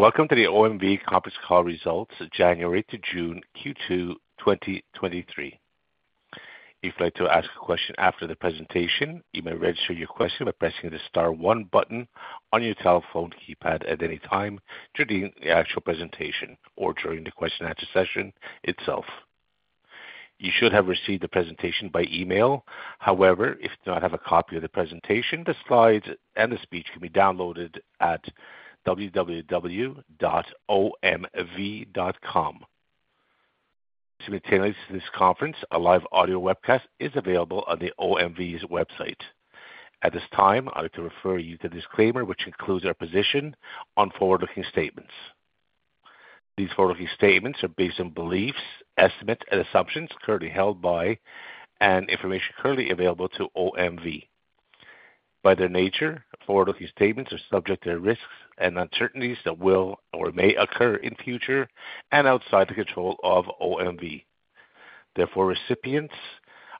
Welcome to the OMV conference call results, January to June Q2 2023. If you'd like to ask a question after the presentation, you may register your question by pressing the star one button on your telephone keypad at any time during the actual presentation or during the question and answer session itself. You should have received the presentation by email. If you do not have a copy of the presentation, the slides and the speech can be downloaded at www.omv.com. To maintain this conference, a live audio webcast is available on the OMV's website. At this time, I'd like to refer you to the disclaimer, which includes our position on forward-looking statements. These forward-looking statements are based on beliefs, estimates, and assumptions currently held by and information currently available to OMV. By their nature, forward-looking statements are subject to risks and uncertainties that will or may occur in future and outside the control of OMV. Therefore, recipients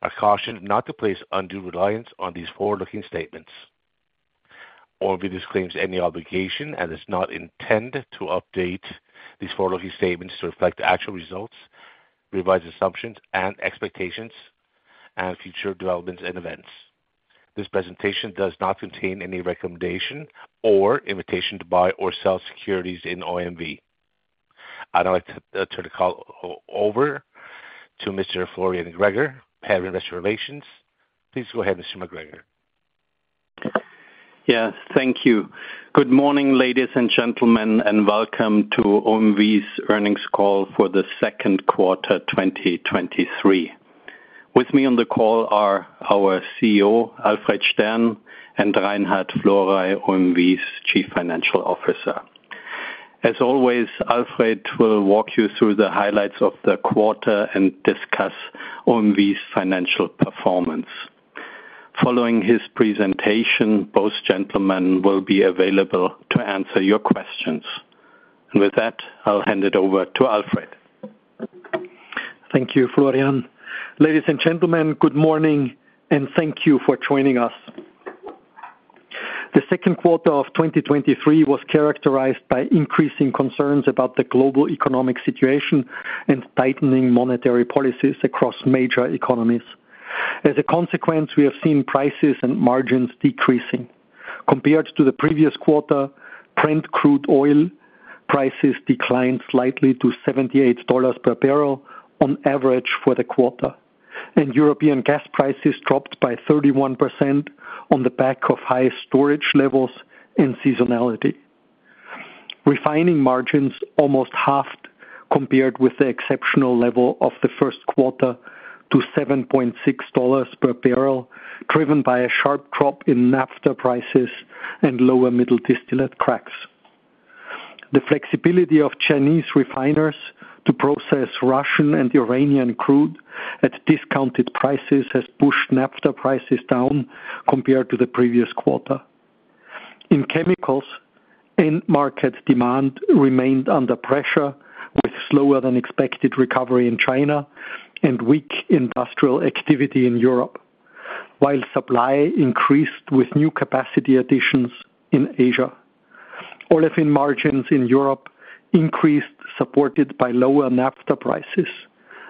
are cautioned not to place undue reliance on these forward-looking statements. OMV disclaims any obligation and does not intend to update these forward-looking statements to reflect the actual results, revised assumptions, and expectations and future developments and events. This presentation does not contain any recommendation or invitation to buy or sell securities in OMV. I'd now like to turn the call over to Mr. Florian Greger, Head of Investor Relations. Please go ahead, Mr. Greger. Yes, thank you. Good morning, ladies and gentlemen, welcome to OMV's earnings call for the Q2, 2023. With me on the call are our CEO, Alfred Stern, Reinhard Florey, OMV's Chief Financial Officer. As always, Alfred will walk you through the highlights of the quarter discuss OMV's financial performance. Following his presentation, both gentlemen will be available to answer your questions. With that, I'll hand it over to Alfred. Thank you, Florian. Ladies and gentlemen, good morning, and thank you for joining us. The Q2 of 2023 was characterized by increasing concerns about the global economic situation and tightening monetary policies across major economies. As a consequence, we have seen prices and margins decreasing. Compared to the previous quarter, Brent crude oil prices declined slightly to $78 per barrel on average for the quarter, and European gas prices dropped by 31% on the back of high storage levels and seasonality. Refining margins almost halved compared with the exceptional level of the Q1 to $7.6 per barrel, driven by a sharp drop in naphtha prices and lower middle distillate cracks. The flexibility of Chinese refiners to process Russian and Iranian crude at discounted prices has pushed naphtha prices down compared to the previous quarter. In chemicals, end market demand remained under pressure, with slower than expected recovery in China and weak industrial activity in Europe, while supply increased with new capacity additions in Asia. Olefin margins in Europe increased, supported by lower naphtha prices,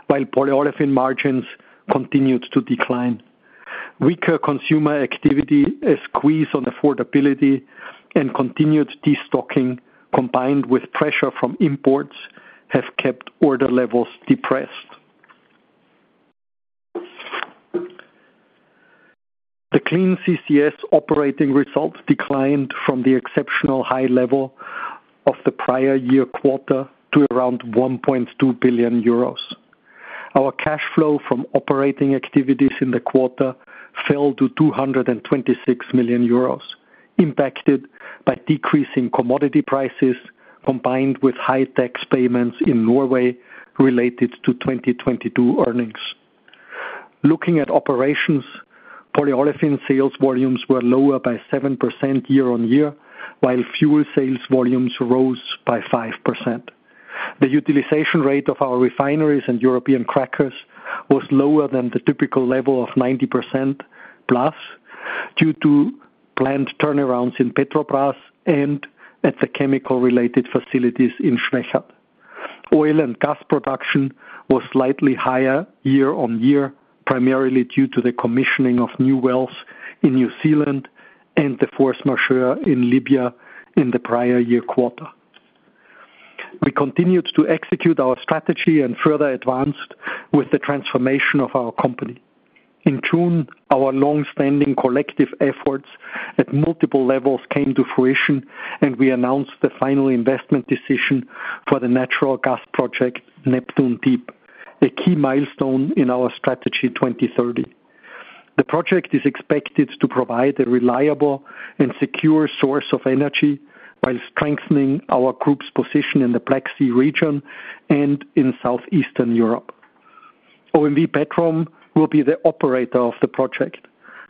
while polyolefin margins continued to decline. Weaker consumer activity, a squeeze on affordability and continued destocking, combined with pressure from imports, have kept order levels depressed. The Clean CCS operating results declined from the exceptional high level of the prior year quarter to around 1.2 billion euros. Our cash flow from operating activities in the quarter fell to 226 million euros, impacted by decreasing commodity prices, combined with high tax payments in Norway related to 2022 earnings. Looking at operations, polyolefin sales volumes were lower by 7% year-on-year, while fuel sales volumes rose by 5%. The utilization rate of our refineries and European crackers was lower than the typical level of 90%+, due to planned turnarounds in Petrobrazi and at the chemical-related facilities in Schwechat. Oil and gas production was slightly higher year-on-year, primarily due to the commissioning of new wells in New Zealand and the force majeure in Libya in the prior year quarter. We continued to execute our strategy and further advanced with the transformation of our company. In June, our long-standing collective efforts at multiple levels came to fruition, and we announced the final investment decision for the Natural Gas Project, Neptun Deep, a key milestone in our Strategy 2030. The project is expected to provide a reliable and secure source of energy by strengthening our group's position in the Black Sea region and in southeastern Europe. OMV Petrom will be the operator of the project.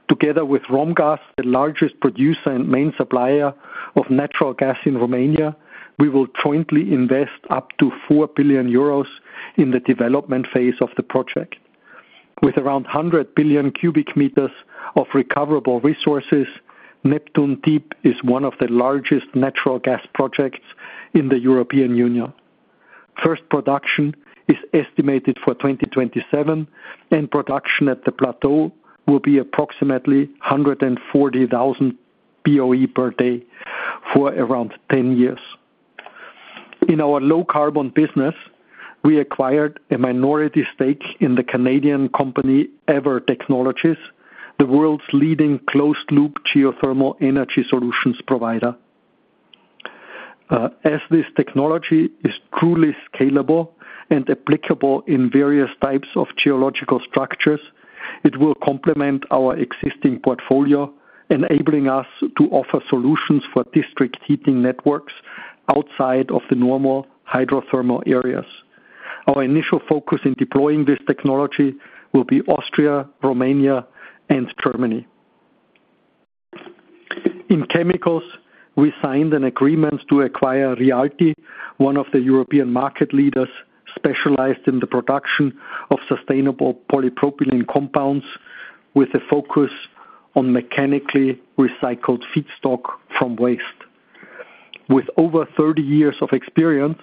Together with Romgaz, the largest producer and main supplier of natural gas in Romania, we will jointly invest up to 4 billion euros in the development phase of the project. With around 100 billion cubic meters of recoverable resources, Neptun Deep is one of the largest natural gas projects in the European Union. First production is estimated for 2027, and production at the plateau will be approximately 140,000 BOE per day for around 10 years. In our low-carbon business, we acquired a minority stake in the Canadian company, Eavor Technologies, the world's leading closed-loop geothermal energy solutions provider. As this technology is truly scalable and applicable in various types of geological structures, it will complement our existing portfolio, enabling us to offer solutions for district heating networks outside of the normal hydrothermal areas. Our initial focus in deploying this technology will be Austria, Romania, and Germany. In chemicals, we signed an agreement to acquire Rialti, one of the European market leaders specialized in the production of sustainable polypropylene compounds, with a focus on mechanically recycled feedstock from waste. With over 30 years of experience,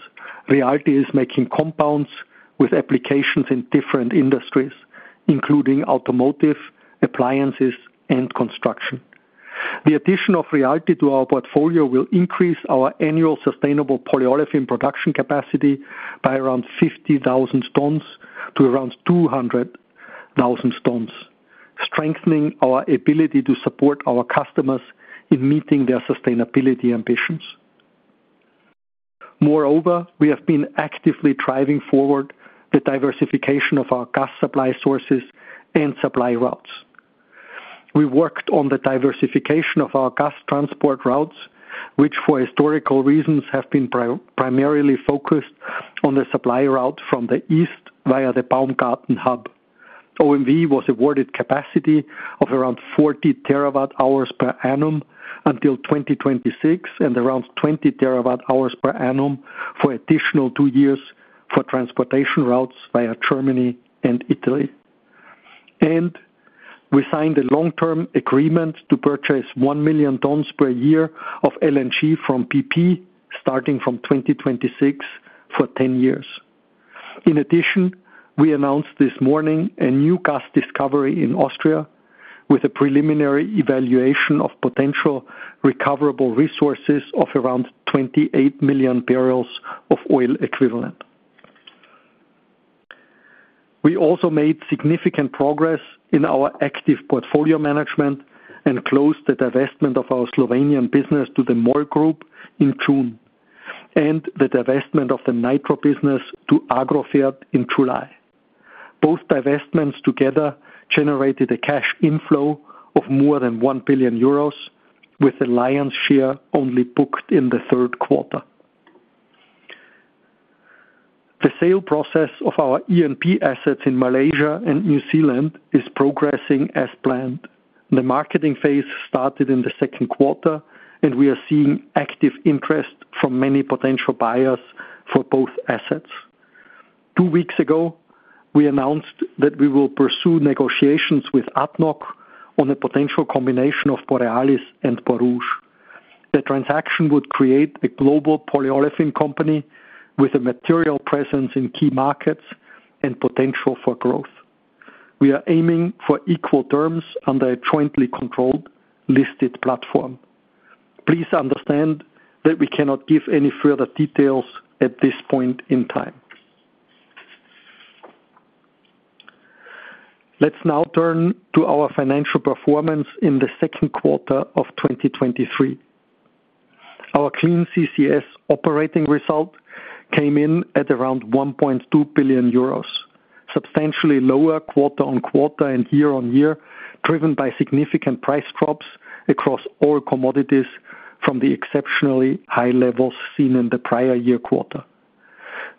Rialti is making compounds with applications in different industries, including automotive, appliances, and construction. The addition of Rialti to our portfolio will increase our annual sustainable polyolefin production capacity by around 50,000 tons to around 200,000 tons, strengthening our ability to support our customers in meeting their sustainability ambitions. Moreover, we have been actively driving forward the diversification of our gas supply sources and supply routes. We worked on the diversification of our gas transport routes, which, for historical reasons, have been primarily focused on the supply route from the east via the Baumgarten hub. OMV was awarded capacity of around 40 terawatt hours per annum until 2026, and around 20 terawatt hours per annum for additional two years for transportation routes via Germany and Italy. We signed a long-term agreement to purchase 1 million tons per year of LNG from bp, starting from 2026 for 10 years. In addition, we announced this morning a new gas discovery in Austria, with a preliminary evaluation of potential recoverable resources of around 28 million barrels of oil equivalent. We also made significant progress in our active portfolio management and closed the divestment of our Slovenian business to the MOL Group in June, and the divestment of the nitrogen business to AGROFERT in July. Both divestments together generated a cash inflow of more than 1 billion euros, with the lion's share only booked in the Q3. The sale process of our E&P assets in Malaysia and New Zealand is progressing as planned. The marketing phase started in the Q2, and we are seeing active interest from many potential buyers for both assets. Two weeks ago, we announced that we will pursue negotiations with ADNOC on a potential combination of Borealis and Borouge. The transaction would create a global polyolefin company with a material presence in key markets and potential for growth. We are aiming for equal terms under a jointly controlled listed platform. Please understand that we cannot give any further details at this point in time. Let's now turn to our financial performance in the Q2 of 2023. Our Clean CCS operating result came in at around 1.2 billion euros, substantially lower quarter-on-quarter and year-on-year, driven by significant price drops across all commodities from the exceptionally high levels seen in the prior year quarter.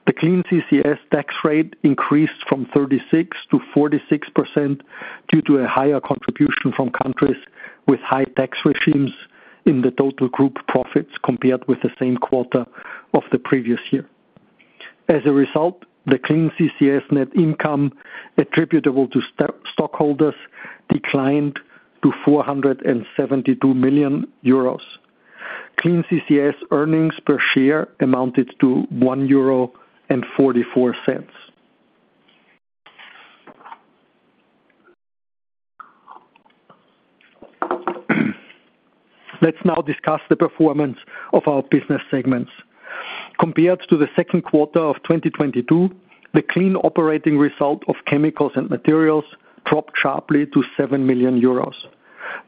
The Clean CCS tax rate increased from 36% to 46% due to a higher contribution from countries with high tax regimes in the total group profits, compared with the same quarter of the previous year. As a result, the Clean CCS net income attributable to stockholders declined to 472 million euros. Clean CCS earnings per share amounted to 1.44 euro. Let's now discuss the performance of our business segments. Compared to the Q2 2022, the clean operating result of chemicals and materials dropped sharply to 7 million euros.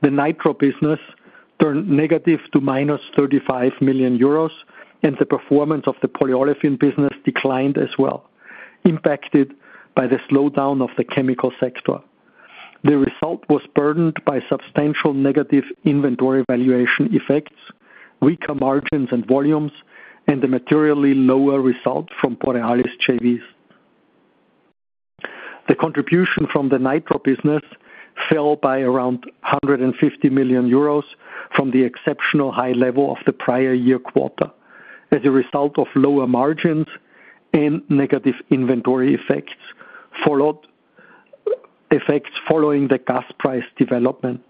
The Nitro business turned negative to minus 35 million euros, and the performance of the polyolefin business declined as well, impacted by the slowdown of the chemical sector. The result was burdened by substantial negative inventory valuation effects, weaker margins and volumes, and a materially lower result from Borealis JVs. The contribution from the Nitro business fell by around 150 million euros from the exceptional high level of the prior year quarter. As a result of lower margins and negative inventory effects, followed effects following the gas price development.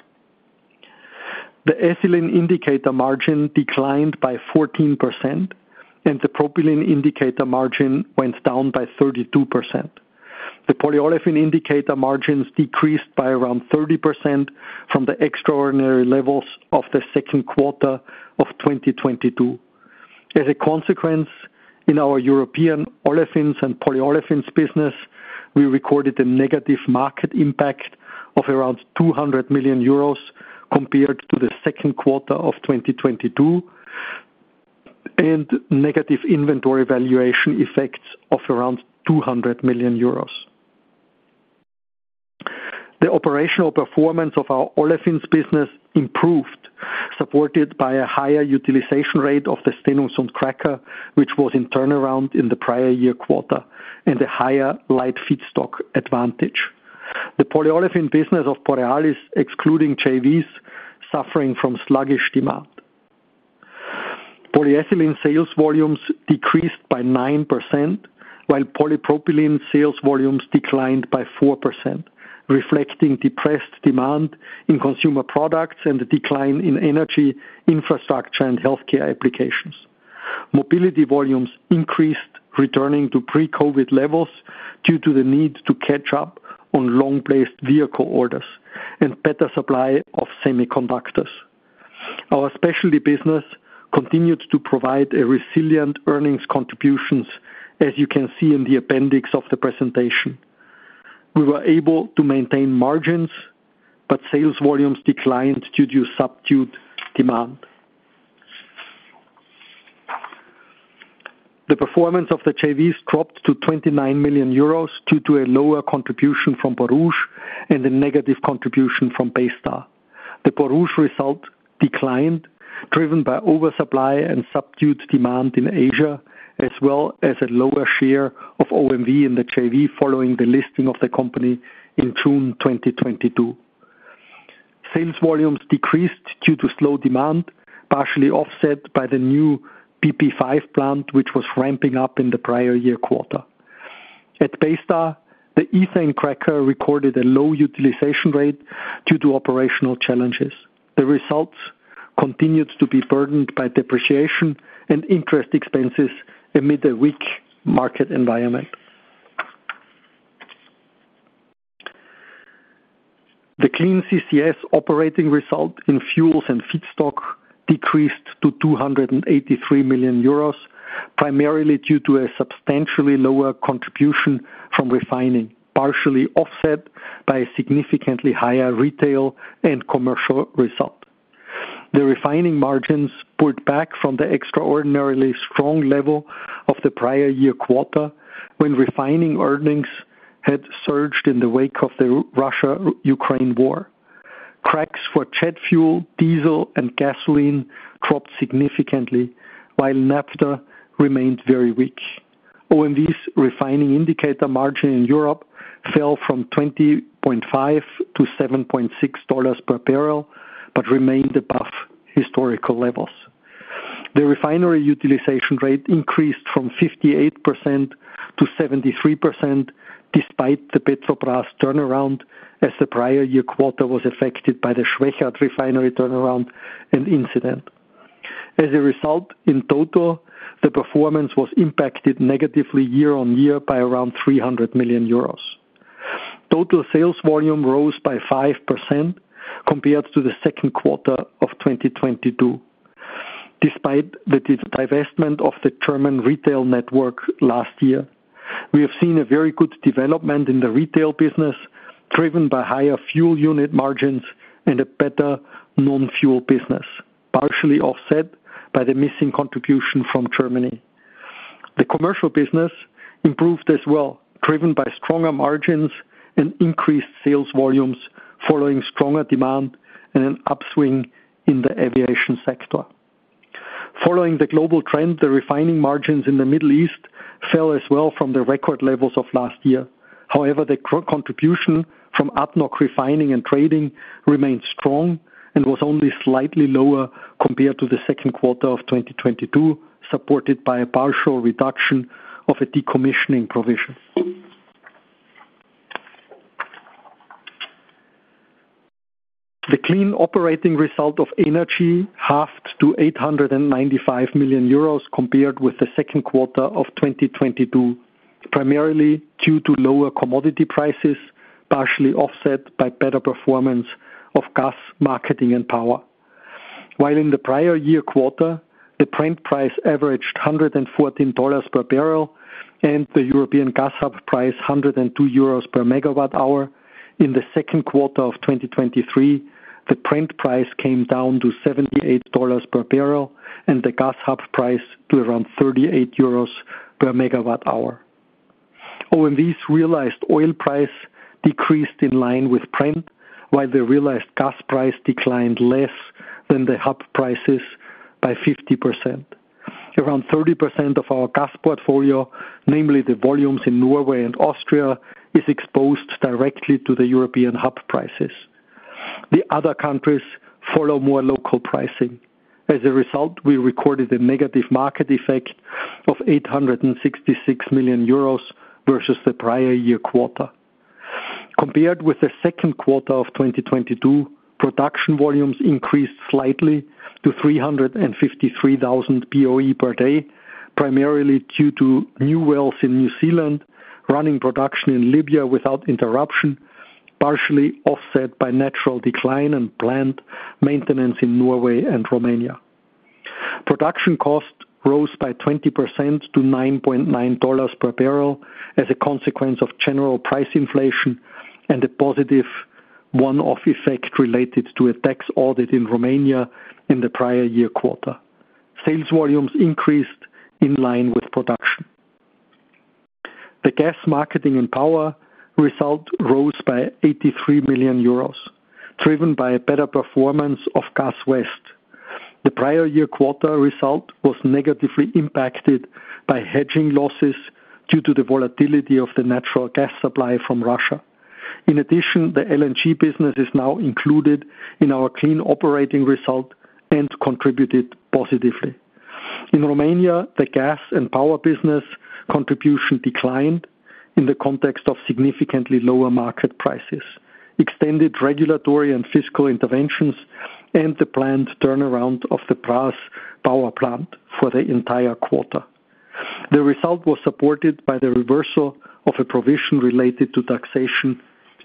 The ethylene indicator margin declined by 14%, and the propylene indicator margin went down by 32%. The polyolefin indicator margins decreased by around 30% from the extraordinary levels of the Q2 of 2022. As a consequence, in our European olefins and polyolefins business, we recorded a negative market impact of around 200 million euros compared to the Q2 of 2022, and negative inventory valuation effects of around 200 million euros. The operational performance of our olefins business improved, supported by a higher utilization rate of the Stenungsund cracker, which was in turnaround in the prior year quarter and a higher light feedstock advantage. The polyolefin business of Borealis, excluding JVs, suffering from sluggish demand. Polyethylene sales volumes decreased by 9%, while polypropylene sales volumes declined by 4%, reflecting depressed demand in consumer products and a decline in energy, infrastructure, and healthcare applications. Mobility volumes increased, returning to pre-COVID levels, due to the need to catch up on long-placed vehicle orders and better supply of semiconductors. Our specialty business continued to provide a resilient earnings contributions, as you can see in the appendix of the presentation. Sales volumes declined due to subdued demand. The performance of the JVs dropped to 29 million euros due to a lower contribution from Borouge and a negative contribution from Baystar. The Borouge result declined, driven by oversupply and subdued demand in Asia, as well as a lower share of OMV in the JV, following the listing of the company in June 2022. Sales volumes decreased due to slow demand, partially offset by the new PP5 plant, which was ramping up in the prior year quarter. At Baystar, the ethane cracker recorded a low utilization rate due to operational challenges. The results continued to be burdened by depreciation and interest expenses amid a weak market environment. The Clean CCS operating result in fuels and feedstock decreased to 283 million euros, primarily due to a substantially lower contribution from refining, partially offset by a significantly higher retail and commercial result. The refining margins pulled back from the extraordinarily strong level of the prior year quarter, when refining earnings had surged in the wake of the Russia-Ukraine war. Cracks for jet fuel, diesel, and gasoline dropped significantly, while naphtha remained very weak. OMV's refining indicator margin in Europe fell from $20.5 to $7.6 per barrel, but remained above historical levels. The refinery utilization rate increased from 58% to 73%, despite the Petrobrazi turnaround, as the prior year quarter was affected by the Schwechat refinery turnaround and incident. As a result, in total, the performance was impacted negatively year-on-year by around 300 million euros. Total sales volume rose by 5% compared to the Q2 2022, despite the divestment of the German retail network last year. We have seen a very good development in the retail business, driven by higher fuel unit margins and a better non-fuel business, partially offset by the missing contribution from Germany. The commercial business improved as well, driven by stronger margins and increased sales volumes, following stronger demand and an upswing in the aviation sector. Following the global trend, the refining margins in the Middle East fell as well from the record levels of last year. However, the contribution from ADNOC Refining and Trading remained strong and was only slightly lower compared to the Q2 2022, supported by a partial reduction of a decommissioning provision. The Clean operating result of energy halved to 895 million euros, compared with the Q2 2022, primarily due to lower commodity prices, partially offset by better performance of Gas Marketing and power. While in the prior year quarter, the Brent price averaged $114 per barrel and the European gas hub price, 102 euros per megawatt hour, in the Q2 2023, the Brent price came down to $78 per barrel and the gas hub price to around 38 euros per megawatt hour. OMV's realized oil price decreased in line with Brent, while the realized gas price declined less than the hub prices by 50%. Around 30% of our gas portfolio, namely the volumes in Norway and Austria, is exposed directly to the European hub prices. The other countries follow more local pricing. As a result, we recorded a negative market effect of 866 million euros versus the prior year quarter. Compared with the Q2 2022, production volumes increased slightly to 353,000 BOE per day, primarily due to new wells in New Zealand, running production in Libya without interruption, partially offset by natural decline and plant maintenance in Norway and Romania. Production cost rose by 20% to $9.9 per barrel as a consequence of general price inflation and a positive one-off effect related to a tax audit in Romania in the prior year quarter. Sales volumes increased in line with production. The gas marketing and power result rose by 83 million euros, driven by a better performance of Gas West. The prior year quarter result was negatively impacted by hedging losses due to the volatility of the natural gas supply from Russia. In addition, the LNG business is now included in our clean operating result and contributed positively. In Romania, the gas and power business contribution declined in the context of significantly lower market prices, extended regulatory and fiscal interventions, and the planned turnaround of the Brazi power plant for the entire quarter. The result was supported by the reversal of a provision related to taxation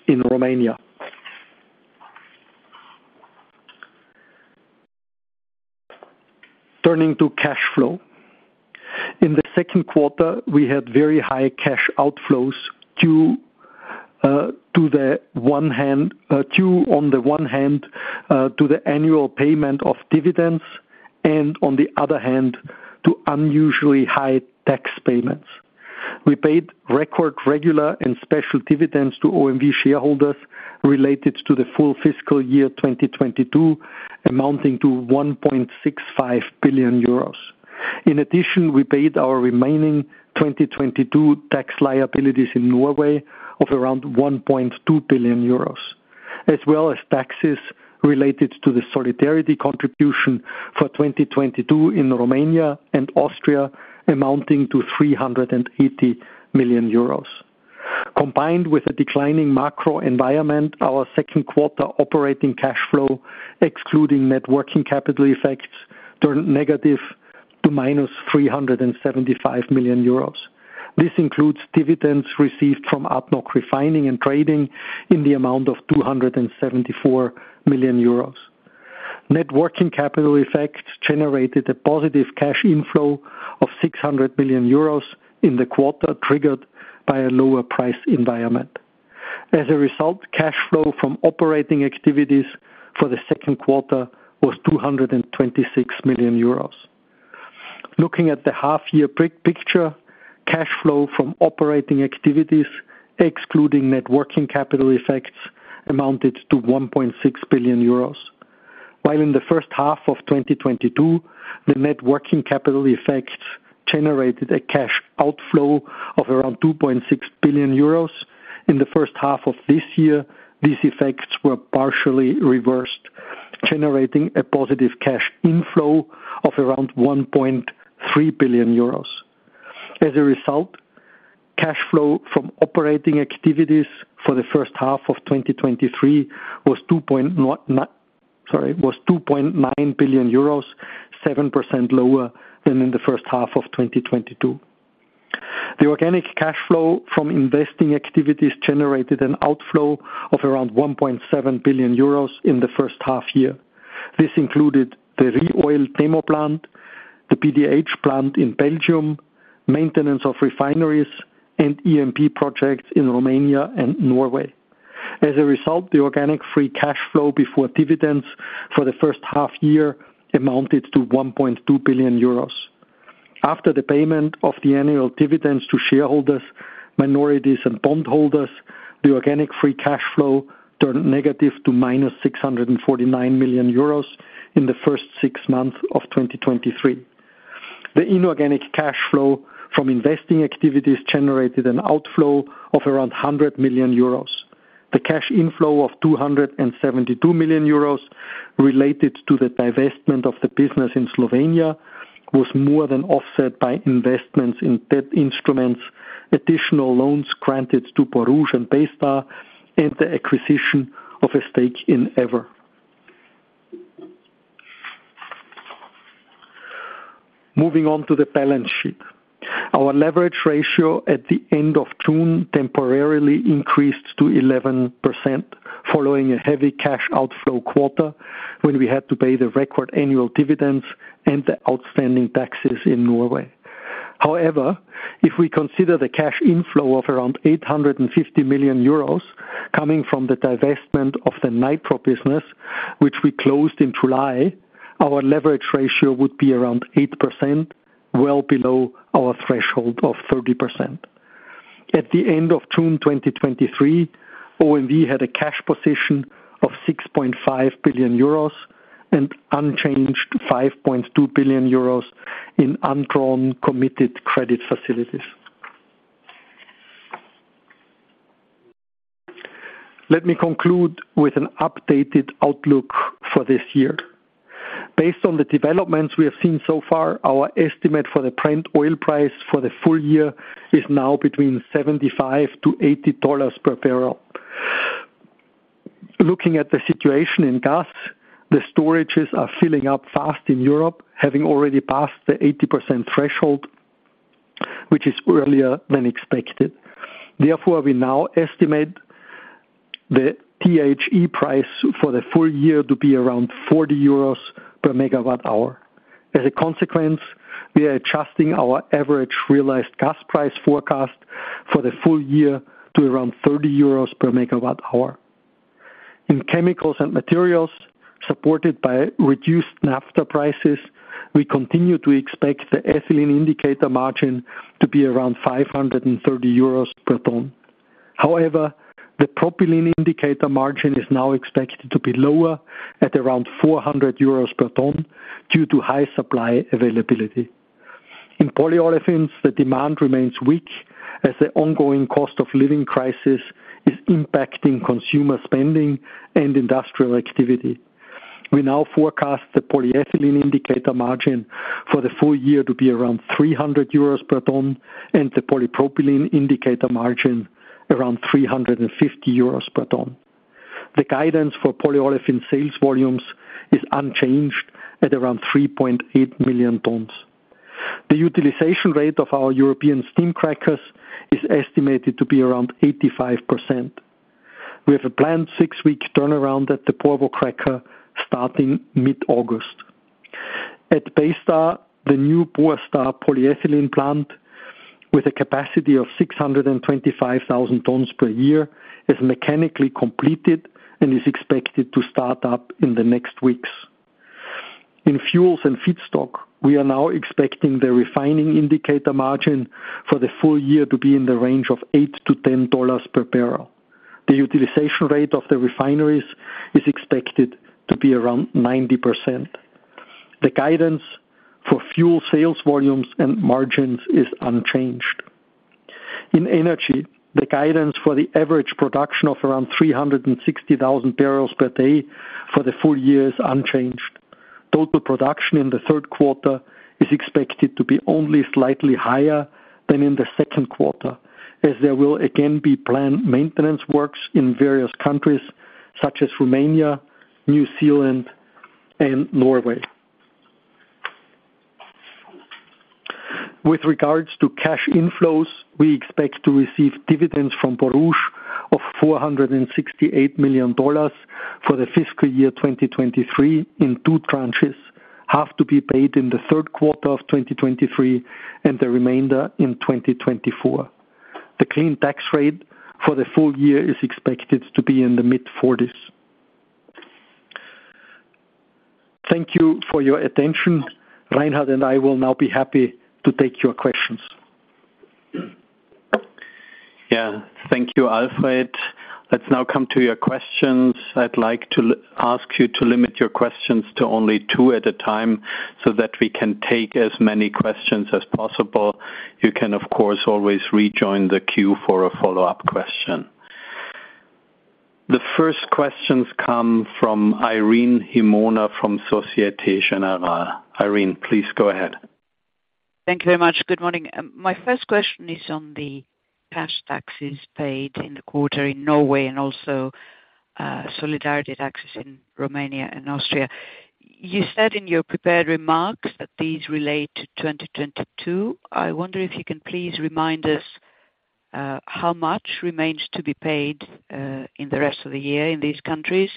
in Romania. Turning to cash flow. In the Q2, we had very high cash outflows due on the one hand to the annual payment of dividends, and on the other hand, to unusually high tax payments. We paid record, regular, and special dividends to OMV shareholders related to the full fiscal year 2022, amounting to 1.65 billion euros. In addition, we paid our remaining 2022 tax liabilities in Norway of around 1.2 billion euros, as well as taxes related to the solidarity contribution for 2022 in Romania and Austria, amounting to 380 million euros. Combined with a declining macro environment, our Q2 operating cash flow, excluding net working capital effects, turned negative to -375 million euros. This includes dividends received from ADNOC Refining and Trading in the amount of 274 million euros. Net working capital effects generated a positive cash inflow of 600 million euros in the quarter, triggered by a lower price environment. As a result, cash flow from operating activities for the Q2 was 226 million euros. Looking at the half-year picture, cash flow from operating activities, excluding net working capital effects, amounted to 1.6 billion euros. While in the H1 of 2022, the net working capital effects generated a cash outflow of around 2.6 billion euros. In the H1 of this year, these effects were partially reversed, generating a positive cash inflow of around 1.3 billion euros. As a result, cash flow from operating activities for the H1 of 2023 was 2.9 billion euros, 7% lower than in the H1 of 2022. The organic cash flow from investing activities generated an outflow of around 1.7 billion euros in the H1 year. This included the ReOil demo plant, the PDH plant in Belgium, maintenance of refineries, and E&P projects in Romania and Norway. As a result, the organic free cash flow before dividends for the H1 year amounted to 1.2 billion euros. After the payment of the annual dividends to shareholders, minorities, and bondholders, the organic free cash flow turned negative to minus 649 million euros in the first 6 months of 2023. The inorganic cash flow from investing activities generated an outflow of around 100 million euros. The cash inflow of 272 million euros related to the divestment of the business in Slovenia, was more than offset by investments in debt instruments, additional loans granted to Borouge and Baystar, and the acquisition of a stake in Eavor. Moving on to the balance sheet. Our leverage ratio at the end of June temporarily increased to 11%, following a heavy cash outflow quarter when we had to pay the record annual dividends and the outstanding taxes in Norway. However, if we consider the cash inflow of around 850 million euros coming from the divestment of the nitrogen business, which we closed in July, our leverage ratio would be around 8%, well below our threshold of 30%. At the end of June 2023, OMV had a cash position of 6.5 billion euros and unchanged 5.2 billion euros in undrawn, committed credit facilities. Let me conclude with an updated outlook for this year. Based on the developments we have seen so far, our estimate for the Brent oil price for the full year is now between $75 to $80 per barrel. Looking at the situation in gas, the storages are filling up fast in Europe, having already passed the 80% threshold, which is earlier than expected. Therefore, we now estimate the THE price for the full year to be around 40 euros per megawatt hour. As a consequence, we are adjusting our average realized gas price forecast for the full year to around 30 euros per megawatt hour. In chemicals and materials, supported by reduced naphtha prices, we continue to expect the ethylene indicator margin to be around 530 euros per ton. However, the propylene indicator margin is now expected to be lower at around 400 euros per ton due to high supply availability. In polyolefins, the demand remains weak as the ongoing cost of living crisis is impacting consumer spending and industrial activity. We now forecast the polyethylene indicator margin for the full year to be around 300 euros per ton, and the polypropylene indicator margin around 350 euros per ton. The guidance for polyolefin sales volumes is unchanged at around 3.8 million tons. The utilization rate of our European steam crackers is estimated to be around 85%. We have a planned six-week turnaround at the Porvoo cracker starting mid-August. At Baystar, the new Borstar polyethylene plant, with a capacity of 625,000 tons per year, is mechanically completed and is expected to start up in the next weeks. In fuels and feedstock, we are now expecting the refining indicator margin for the full year to be in the range of $8 to $10 per barrel. The utilization rate of the refineries is expected to be around 90%. The guidance for fuel sales volumes and margins is unchanged. In energy, the guidance for the average production of around 360,000 barrels per day for the full year is unchanged. Total production in the Q3 is expected to be only slightly higher than in the Q2, as there will again be planned maintenance works in various countries such as Romania, New Zealand, and Norway. With regards to cash inflows, we expect to receive dividends from Borouge of $468 million for the fiscal year 2023 in two tranches, half to be paid in the Q3 of 2023 and the remainder in 2024. The clean tax rate for the full year is expected to be in the mid-forties. Thank you for your attention. Reinhard and I will now be happy to take your questions. Yeah. Thank you, Alfred. Let's now come to your questions. I'd like to ask you to limit your questions to only two at a time, so that we can take as many questions as possible. You can, of course, always rejoin the queue for a follow-up question. The first questions come from Irene Himona from Société Générale. Irene, please go ahead. Thank you very much. Good morning. My first question is on the cash taxes paid in the quarter in Norway and also solidarity taxes in Romania and Austria. You said in your prepared remarks that these relate to 2022. I wonder if you can please remind us how much remains to be paid in the rest of the year in these countries?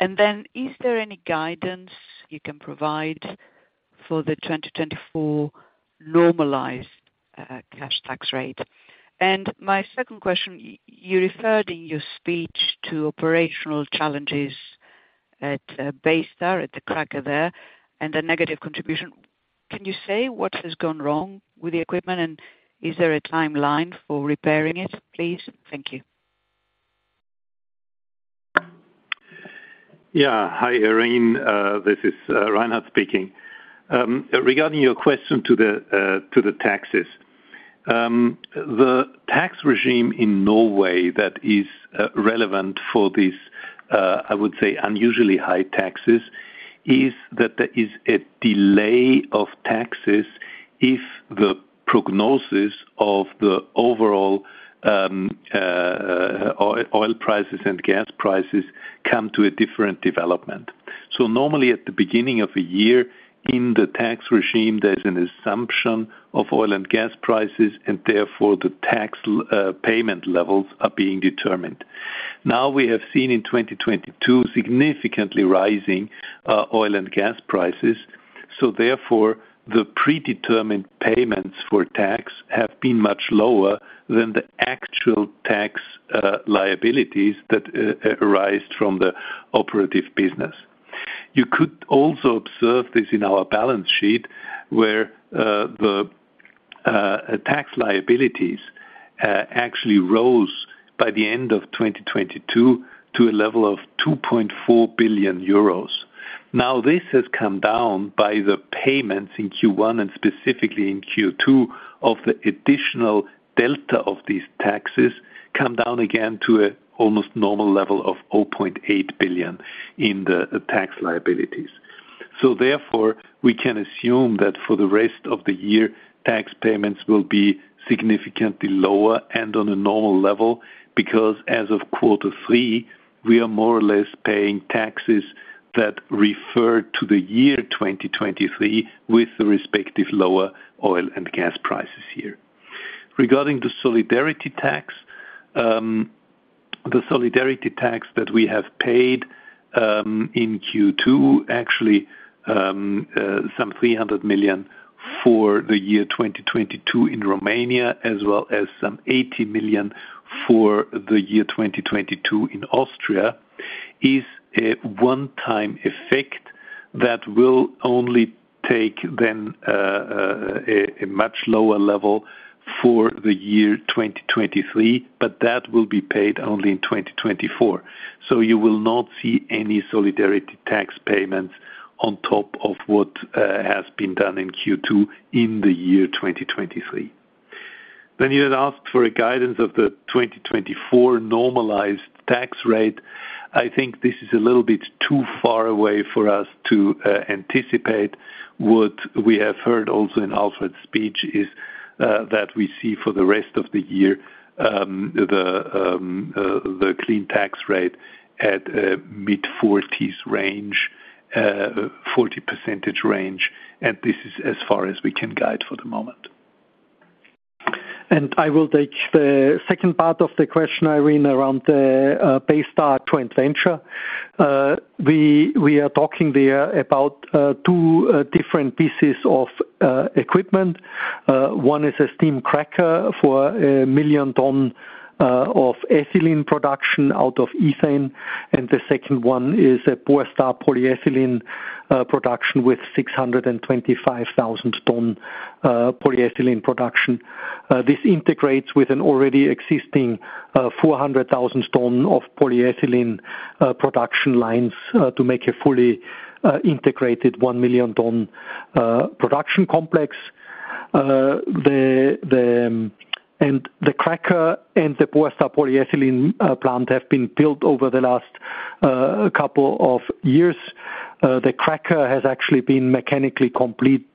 Is there any guidance you can provide for the 2024 normalized cash tax rate? My second question, you referred in your speech to operational challenges at Baystar, at the cracker there, and the negative contribution. Can you say what has gone wrong with the equipment, and is there a timeline for repairing it, please? Thank you. Yeah. Hi, Irene, this is Reinhard speaking. Regarding your question to the taxes. The tax regime in Norway that is relevant for this, I would say unusually high taxes, is that there is a delay of taxes if the prognosis of the overall oil prices and gas prices come to a different development. Normally, at the beginning of a year, in the tax regime, there's an assumption of oil and gas prices, and therefore, the tax payment levels are being determined. Now, we have seen in 2022, significantly rising oil and gas prices, so therefore, the predetermined payments for tax have been much lower than the actual tax liabilities that arised from the operative business. You could also observe this in our balance sheet, where the tax liabilities actually roll- by the end of 2022 to a level of 2.4 billion euros. This has come down by the payments in Q1, and specifically in Q2, of the additional delta of these taxes, come down again to a almost normal level of 0.8 billion in the tax liabilities. Therefore, we can assume that for the rest of the year, tax payments will be significantly lower and on a normal level, because as of Q3, we are more or less paying taxes that refer to the year 2023, with the respective lower oil and gas prices here. Regarding the solidarity tax, the solidarity tax that we have paid in Q2, actually, some 300 million for the year 2022 in Romania, as well as some 80 million for the year 2022 in Austria, is a one-time effect that will only take then a much lower level for the year 2023, but that will be paid only in 2024. You will not see any solidarity tax payments on top of what has been done in Q2, in the year 2023. You had asked for a guidance of the 2024 normalized tax rate. I think this is a little bit too far away for us to anticipate. What we have heard also in Alfred's speech is, that we see for the rest of the year, the clean tax rate at mid-forties range, 40% range. This is as far as we can guide for the moment. I will take the second part of the question, Irene, around the Baystar joint venture. We are talking there about two different pieces of equipment. One is a steam cracker for 1 million ton of ethylene production out of ethane, and the second one is a Borstar polyethylene production with 625,000 ton polyethylene production. This integrates with an already existing 400,000 ton of polyethylene production lines to make a fully integrated 1 million ton production complex. The cracker and the Borstar polyethylene plant have been built over the last couple of years. The cracker has actually been mechanically complete,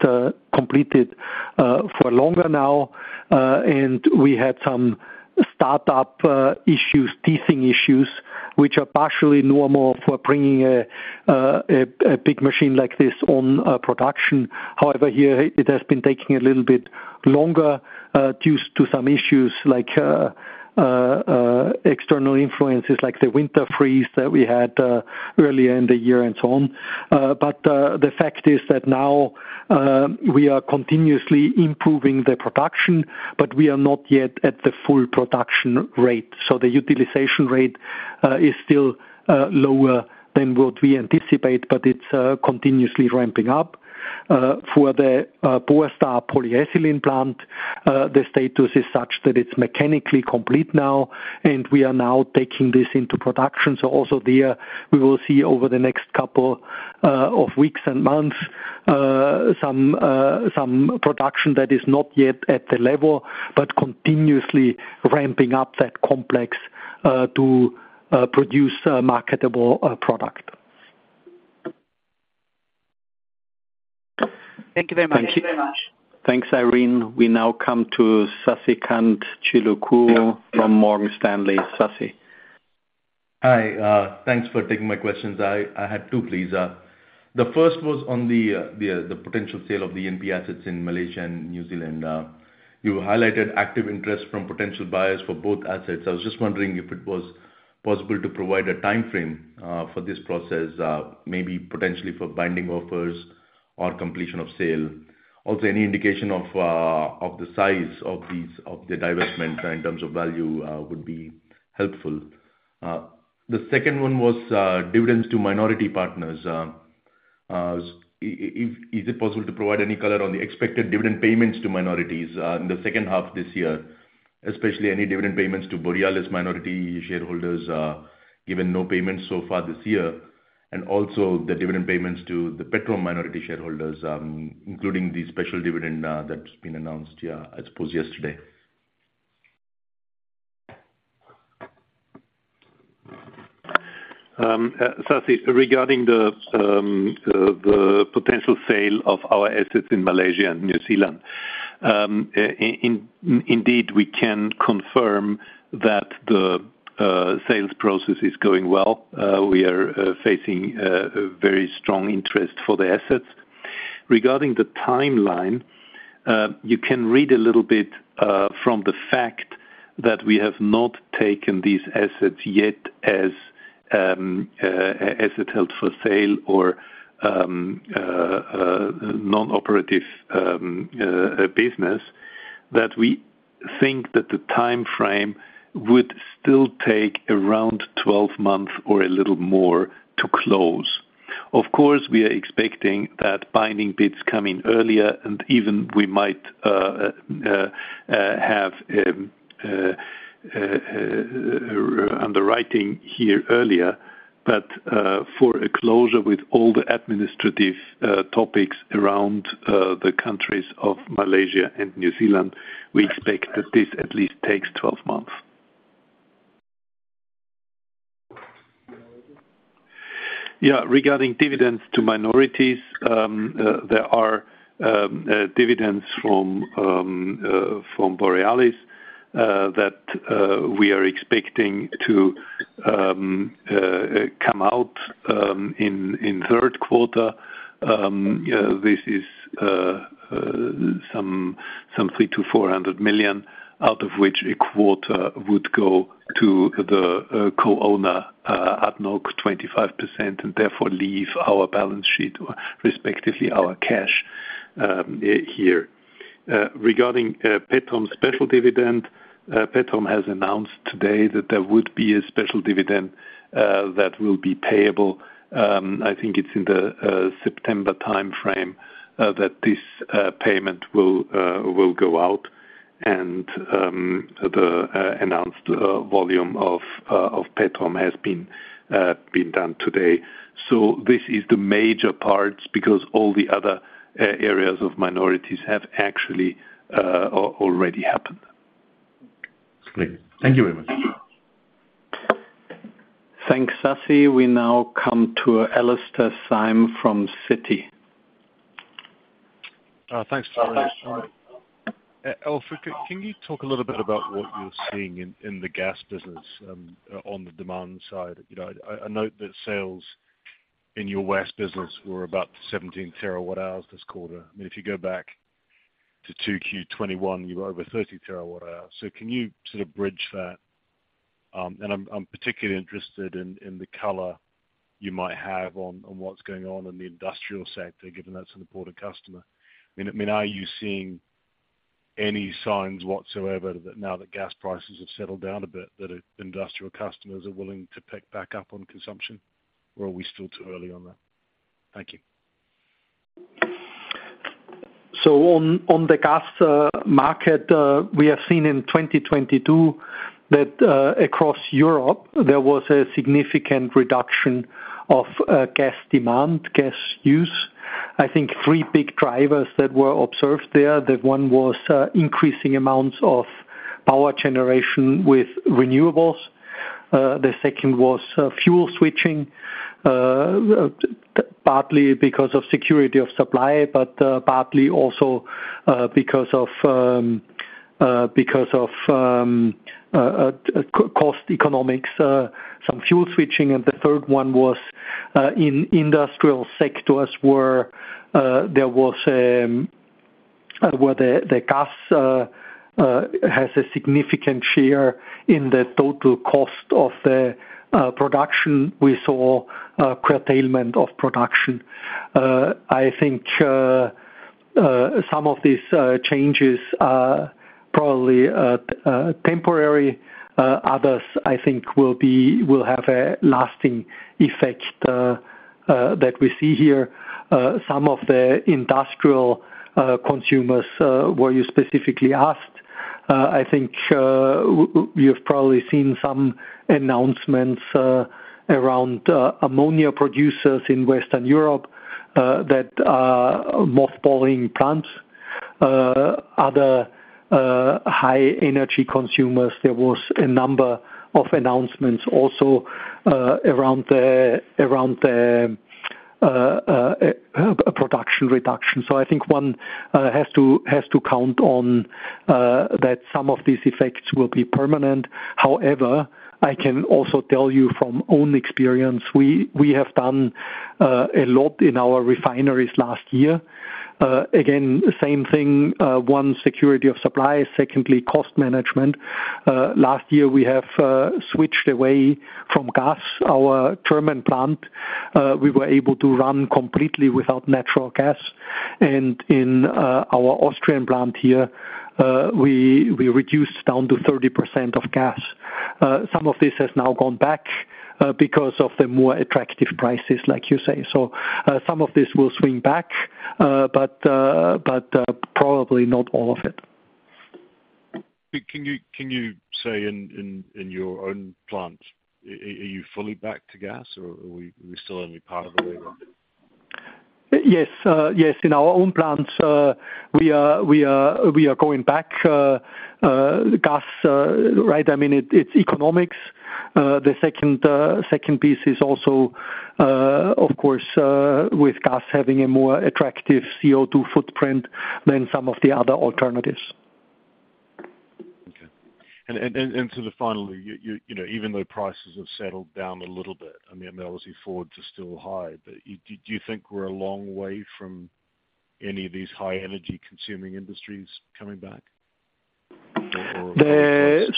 completed, for longer now, and we had some startup, teething issues, which are partially normal for bringing a big machine like this on production. However, here it has been taking a little bit longer, due to some issues like external influences, like the winter freeze that we had earlier in the year and so on. The fact is that now, we are continuously improving the production, but we are not yet at the full production rate, the utilization rate is still lower than what we anticipate, but it's continuously ramping up. For the Borstar polyethylene plant, the status is such that it's mechanically complete now, we are now taking this into production. Also there, we will see over the next couple of weeks and months, some production that is not yet at the level, but continuously ramping up that complex to produce a marketable product. Thank you very much. Thanks, Irene. We now come to Sasikanth Chilukuru from Morgan Stanley. Sasi? Hi, thanks for taking my questions. I, I had 2, please. The first was on the, the, the potential sale of the E&P assets in Malaysia and New Zealand. You highlighted active interest from potential buyers for both assets. I was just wondering if it was possible to provide a timeframe for this process, maybe potentially for binding offers or completion of sale. Any indication of, of the size of these, of the divestment in terms of value would be helpful. The second one was dividends to minority partners. Is it possible to provide any color on the expected dividend payments to minorities in the H2 this year? Especially any dividend payments to Borealis minority shareholders, given no payments so far this year, and also the dividend payments to the Petrom minority shareholders, including the special dividend, that's been announced, I suppose, yesterday. Sasi, regarding the potential sale of our assets in Malaysia and New Zealand, indeed, we can confirm that the sales process is going well. We are facing a very strong interest for the assets. Regarding the timeline, you can read a little bit from the fact that we have not taken these assets yet as asset held for sale or non-operative business, that we think that the timeframe would still take around 12 months or a little more to close. Of course, we are expecting that binding bids come in earlier. Even we might have underwriting here earlier. For a closure with all the administrative topics around the countries of Malaysia and New Zealand, we expect that this at least takes 12 months. Yeah, regarding dividends to minorities, there are dividends from Borealis that we are expecting to come out in Q3. This is some 300-400 million, out of which a quarter would go to the co-owner at ADNOC 25%, and therefore leave our balance sheet, respectively, our cash here. Regarding Petrom's special dividend, Petrom has announced today that there would be a special dividend that will be payable. I think it's in the September time frame, that this payment will will go out. The announced volume of of Petrom has been been done today. This is the major parts, because all the other areas of minorities have actually already happened. Great. Thank you very much. Thanks, Sasi. We now come to Alastair Syme from Citi. Thanks, sorry. Alfred, can you talk a little bit about what you're seeing in the gas business on the demand side? You know, I note that sales in your West business were about 17 terawatt hours this quarter. I mean, if you go back to Q2 2021, you were over 30 terawatt hours. Can you sort of bridge that? I'm particularly interested in the color you might have on what's going on in the industrial sector, given that's an important customer. I mean, I mean, are you seeing any signs whatsoever that now that gas prices have settled down a bit, that industrial customers are willing to pick back up on consumption, or are we still too early on that? Thank you. On, on the gas market, we have seen in 2022 that across Europe, there was a significant reduction of gas demand, gas use. I think 3 big drivers that were observed there, that 1 was increasing amounts of power generation with renewables. The 2nd was fuel switching, partly because of security of supply, but partly also because of cost economics, some fuel switching. The 3rd one was in industrial sectors, where there was where the gas has a significant share in the total cost of the production. We saw a curtailment of production. some of these changes are probably temporary, others, I think, will have a lasting effect, that we see here. Some of the industrial consumers, where you specifically asked, I think, you've probably seen some announcements around ammonia producers in Western Europe, that are mothballing plants. Other high energy consumers, there was a number of announcements also around the production reduction. So I think one has to count on that some of these effects will be permanent. However, I can also tell you from own experience, we have done a lot in our refineries last year. Again, same thing, one, security of supply, secondly, cost management. Last year we have switched away from gas. Our German plant, we were able to run completely without natural gas, and in our Austrian plant here, we, we reduced down to 30% of gas. Some of this has now gone back because of the more attractive prices, like you say. Some of this will swing back, but, probably not all of it. Can you say in your own plant, are you fully back to gas, or are we still only part of the way there? Yes, yes. In our own plants, we are, we are, we are going back, gas, right? I mean, it's economics. The second piece is also, of course, with gas having a more attractive CO2 footprint than some of the other alternatives. Okay. Then finally, you know, even though prices have settled down a little bit, I mean, obviously forwards are still high, but do you think we're a long way from any of these high energy consuming industries coming back,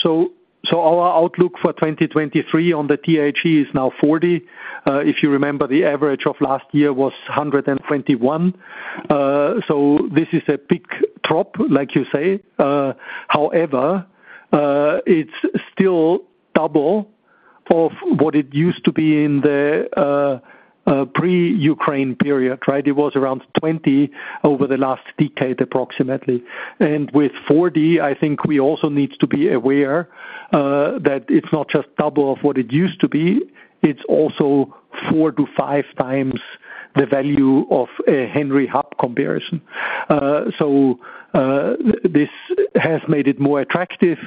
or? Our outlook for 2023 on the THE is now 40. If you remember, the average of last year was 121. This is a big drop, like you say. However, it's still double of what it used to be in the pre-Ukraine period, right? It was around 20 over the last decade, approximately. With 40, I think we also need to be aware that it's not just double of what it used to be, it's also four to five times the value of a Henry Hub comparison. This has made it more attractive,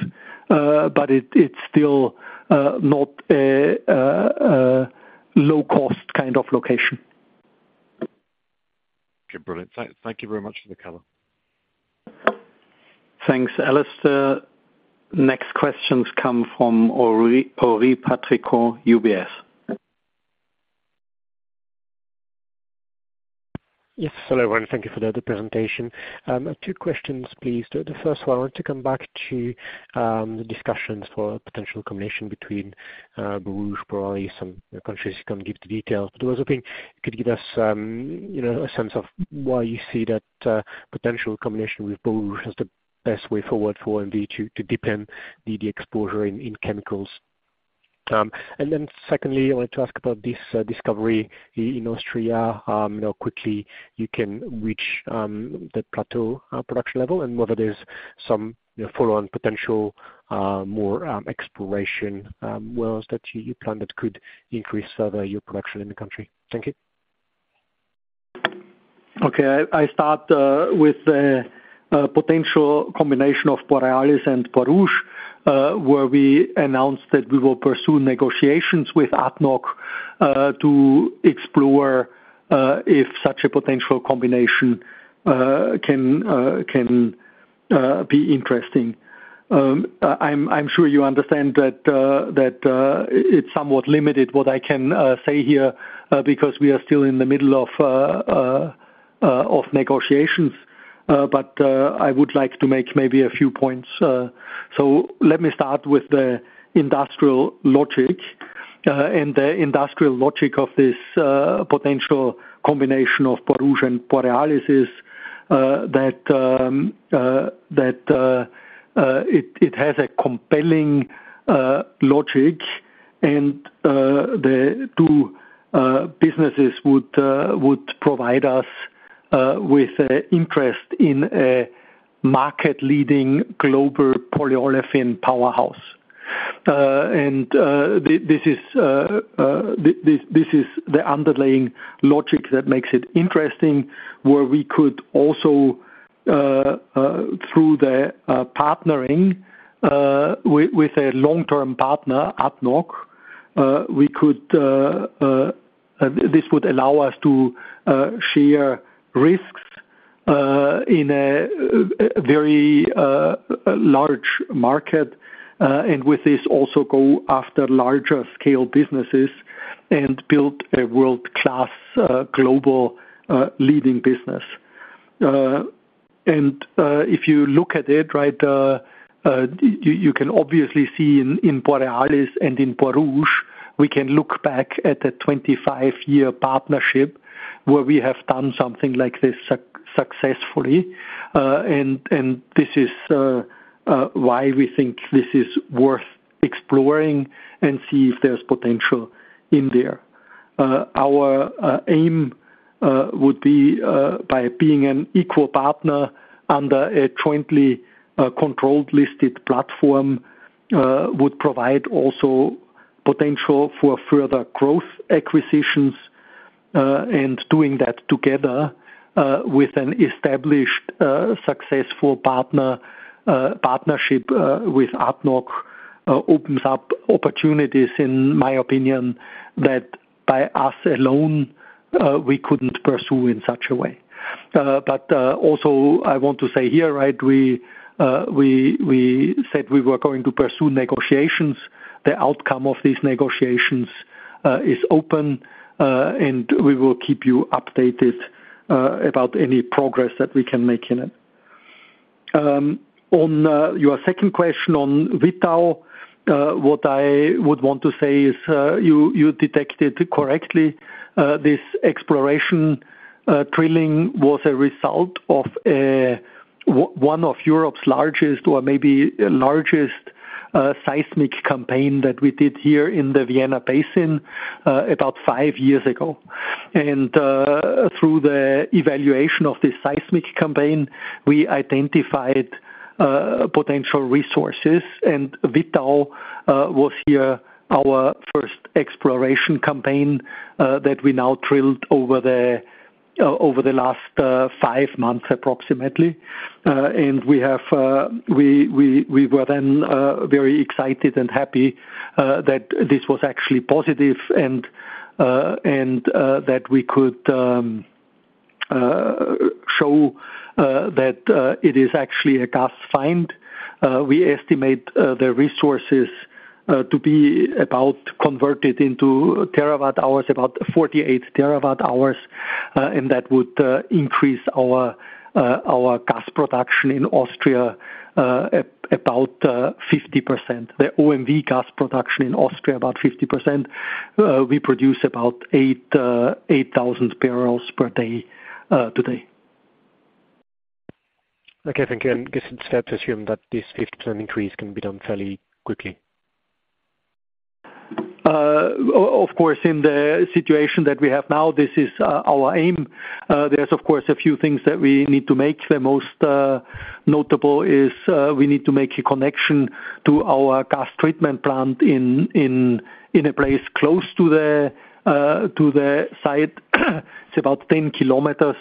but it's still not a low cost kind of location. Okay, brilliant. Thank, thank you very much, Nicola. Thanks, Alastair. Next questions come from Henri Patricot, UBS. Yes, hello, everyone. Thank you for the presentation. two questions, please. The first one, I want to come back to the discussions for a potential combination between Borouge, Borealis, and of course, you can't give the details. I was hoping you could give us, you know, a sense of why you see that potential combination with Borouge is the best way forward for OMV to deepen the exposure in chemicals. Secondly, I wanted to ask about this discovery in Austria. You know, quickly you can reach the plateau production level, and whether there's some follow-on potential, more exploration wells that you plan that could increase further your production in the country. Thank you. Okay. I, I start with a potential combination of Borealis and Borouge, where we announced that we will pursue negotiations with ADNOC, to explore if such a potential combination can can be interesting. I'm, I'm sure you understand that it's somewhat limited what I can say here because we are still in the middle of negotiations. I would like to make maybe a few points. Let me start with the industrial logic. The industrial logic of this potential combination of Borouge and Borealis is that that it, it has a compelling logic, and the two businesses would would provide us with an interest in a market-leading global polyolefin powerhouse. This is the underlying logic that makes it interesting, where we could also, through the partnering with a long-term partner, ADNOC, we could. This would allow us to share risks in a very large market, and with this, also go after larger scale businesses and build a world-class, global leading business. If you look at it, right, you can obviously see in Borealis and in Borouge, we can look back at a 25-year partnership where we have done something like this successfully. This is why we think this is worth exploring and see if there's potential in there. Our aim would be by being an equal partner under a jointly controlled listed platform, would provide also potential for further growth acquisitions, and doing that together with an established successful partner partnership with ADNOC, opens up opportunities, in my opinion, that by us alone, we couldn't pursue in such a way. Also, I want to say here, right, we, we said we were going to pursue negotiations. The outcome of these negotiations is open, and we will keep you updated about any progress that we can make in it. On your second question on Wittau, what I would want to say is, you detected correctly, this exploration drilling was a result of one of Europe's largest, or maybe largest, seismic campaign that we did here in the Vienna Basin, about 5 years ago. Through the evaluation of this seismic campaign, we identified potential resources, and Wittau was here our first exploration campaign that we now drilled over the last 5 months, approximately. And we have, we, we, we were then very excited and happy that this was actually positive and that we could show that it is actually a gas find. We estimate the resources to be about converted into terawatt-hours, about 48 terawatt-hours, and that would increase our gas production in Austria about 50%. The OMV gas production in Austria, about 50%. We produce about 8,000 barrels per day today. Okay, thank you. I guess it's fair to assume that this 50% increase can be done fairly quickly? Of course, in the situation that we have now, this is our aim. There's, of course, a few things that we need to make. The most notable is, we need to make a connection to our gas treatment plant in, in, in a place close to the, to the site. It's about 10 kilometers,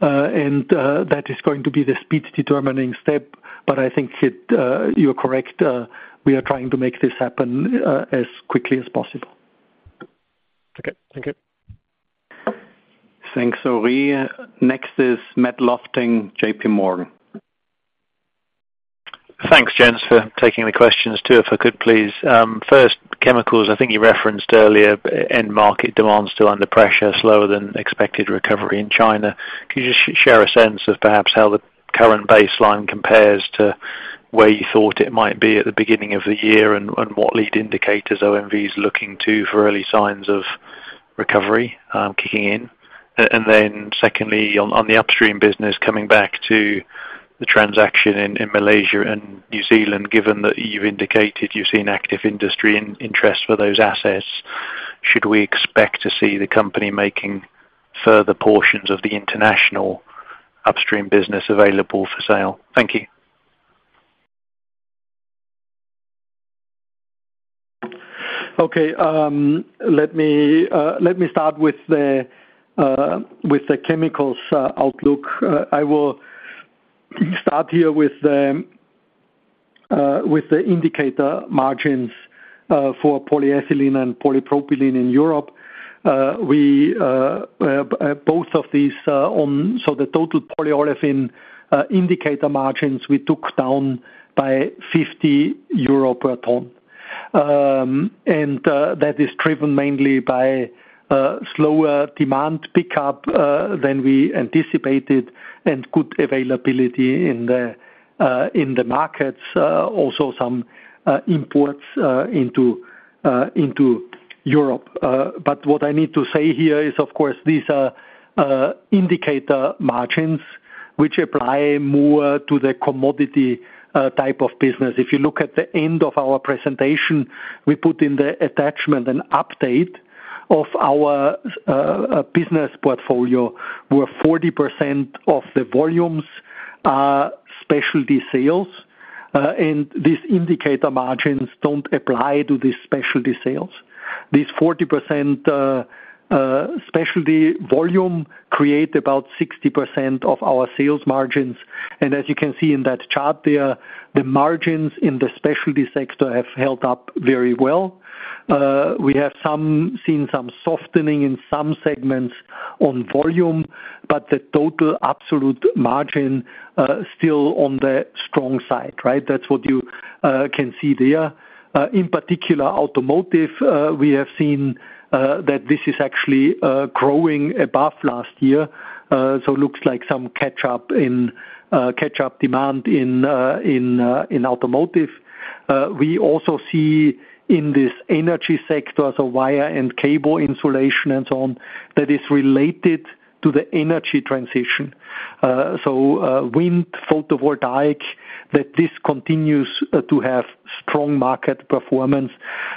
and that is going to be the speed determining step. I think it, you're correct, we are trying to make this happen as quickly as possible. Okay. Thank you. Thanks, Henri. Next is Matt Lofting, JPMorgan. Thanks, gents, for taking the questions, too, if I could please. First, chemicals, I think you referenced earlier end market demand still under pressure, slower than expected recovery in China. Could you share a sense of perhaps how the current baseline compares to where you thought it might be at the beginning of the year, and what lead indicators OMV is looking to for early signs of recovery kicking in? Then secondly, on the upstream business, coming back to the transaction in Malaysia and New Zealand, given that you've indicated you've seen active industry interest for those assets, should we expect to see the company making further portions of the international upstream business available for sale? Thank you. Okay, let me let me start with the chemicals outlook. I will start here with the indicator margins for polyethylene and polypropylene in Europe. We both of these. The total polyolefin indicator margins, we took down by 50 euro per ton. That is driven mainly by slower demand pickup than we anticipated, and good availability in the markets, also some imports into Europe. What I need to say here is, of course, these are indicator margins, which apply more to the commodity type of business. If you look at the end of our presentation, we put in the attachment an update of our business portfolio, where 40% of the volumes are specialty sales, and these indicator margins don't apply to the specialty sales. These 40% specialty volume create about 60% of our sales margins, and as you can see in that chart there, the margins in the specialty sector have held up very well. We have seen some softening in some segments on volume, but the total absolute margin still on the strong side, right? That's what you can see there. In particular, automotive, we have seen that this is actually growing above last year, so looks like some catch up in catch up demand in automotive. We also see in this energy sector, so wire and cable insulation and so on, that is related to the energy transition. Wind photovoltaic, that this continues to have strong market performance,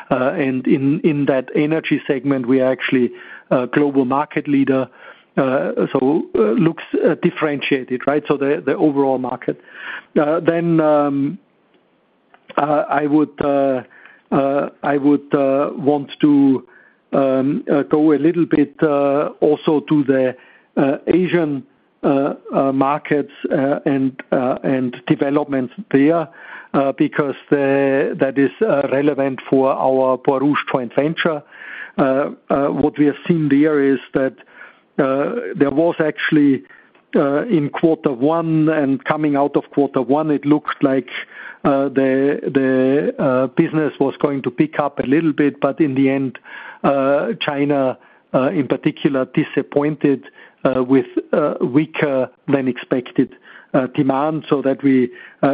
and in that energy segment, we are actually a global market leader. Looks differentiated, right? So the, the overall market. I would, I would want to go a little bit also to the Asian markets, and developments there, because that is relevant for our Borouge joint venture. What we have seen there is that there was actually in Q1, and coming out of Q1, it looked like the business was going to pick up a little bit, but in the end, China in particular, disappointed with weaker than expected demand, so that we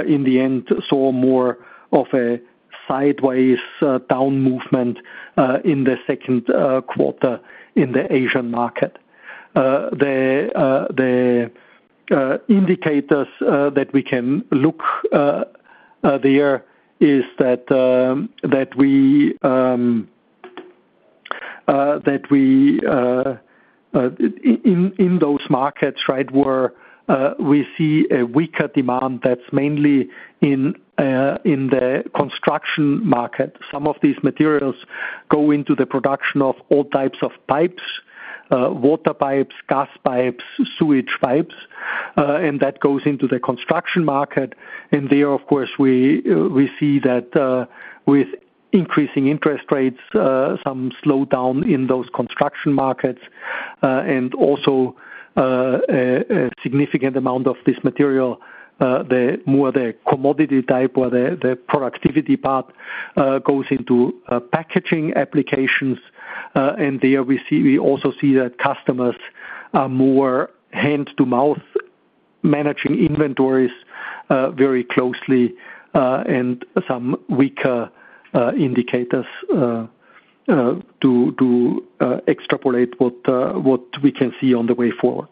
in the end, saw more of a sideways down movement in the Q2 in the Asian market. The indicators that we can look there is that we in those markets, right, where we see a weaker demand, that's mainly in the construction market. Some of these materials go into the production of all types of pipes, water pipes, gas pipes, sewage pipes, that goes into the construction market. There, of course, we see that with increasing interest rates, some slowdown in those construction markets. Also, a significant amount of this material, the more the commodity type or the productivity part, goes into packaging applications. There we also see that customers are more hand-to-mouth, managing inventories very closely, and some weaker indicators to extrapolate what we can see on the way forward.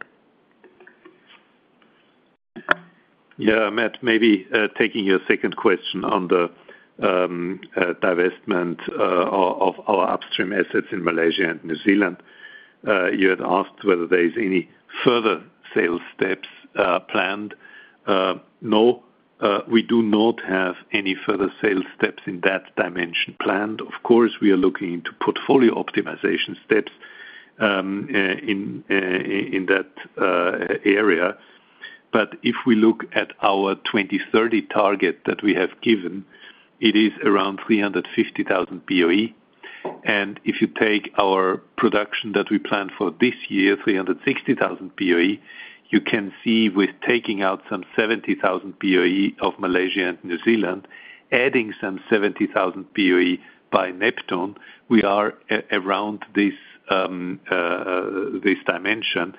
Yeah, Matt, maybe taking your second question on the divestment of our upstream assets in Malaysia and New Zealand. You had asked whether there is any further sales steps planned. No, we do not have any further sales steps in that dimension planned. Of course, we are looking into portfolio optimization steps in that area. If we look at our 2030 target that we have given, it is around 350,000 BOE. If you take our production that we plan for this year, 360,000 BOE, you can see with taking out some 70,000 BOE of Malaysia and New Zealand, adding some 70,000 BOE by Neptune, we are around this dimension.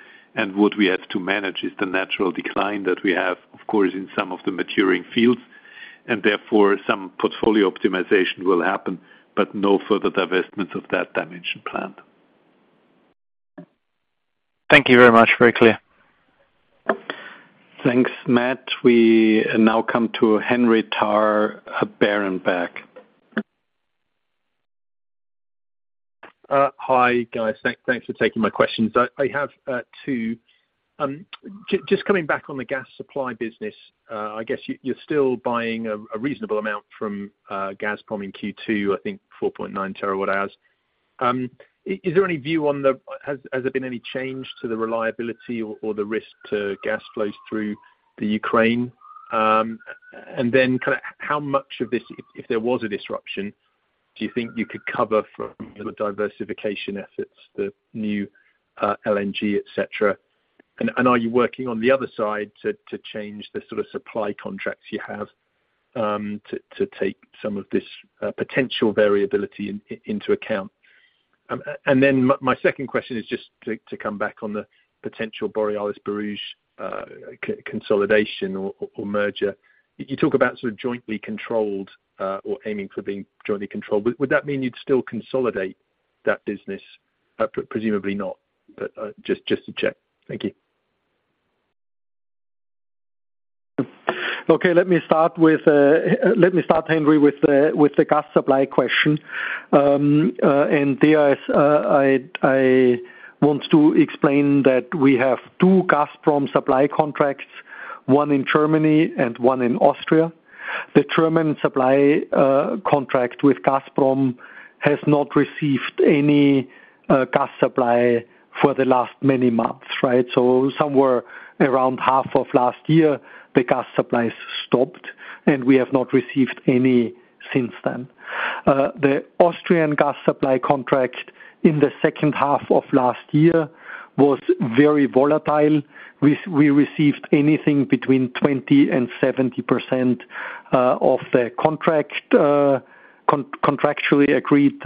What we have to manage is the natural decline that we have, of course, in some of the maturing fields, and therefore some portfolio optimization will happen, but no further divestments of that dimension planned. Thank you very much. Very clear. Thanks, Matt. We now come to Henry Tarr of Berenberg. Hi, guys. Thanks for taking my questions. I, I have two. Just coming back on the gas supply business, I guess you, you're still buying a reasonable amount from Gazprom in Q2, I think 4.9 terawatt hours. Is there any view has there been any change to the reliability or the risk to gas flows through the Ukraine? Then kinda how much of this, if there was a disruption, do you think you could cover from the diversification efforts, the new LNG, et cetera? Are you working on the other side to change the sort of supply contracts you have, to take some of this potential variability into account? Then my second question is just to come back on the potential Borealis Borouge, consolidation or merger. You talk about sort of jointly controlled, or aiming for being jointly controlled. Would that mean you'd still consolidate that business? Presumably not, but, just to check. Thank you. Okay, let me start with, let me start, Henry, with the gas supply question. There is, I, I want to explain that we have 2 Gazprom supply contracts, one in Germany and one in Austria. The German supply contract with Gazprom has not received any gas supply for the last many months, right? Somewhere around half of last year, the gas supplies stopped, and we have not received any since then. The Austrian gas supply contract in the H2 of last year was very volatile. We, we received anything between 20% and 70% of the contractually agreed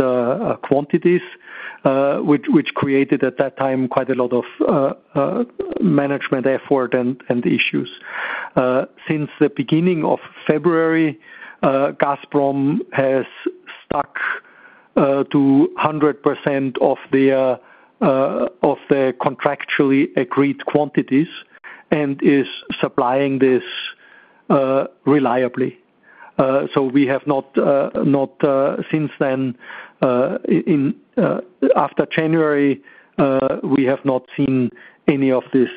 quantities, which created, at that time, quite a lot of management effort and issues. Since the beginning of February, Gazprom has stuck to 100% of the contractually agreed quantities and is supplying this reliably. We have not, not since then, after January, we have not seen any of this